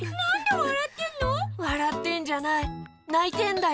わらってんじゃないないてんだよ！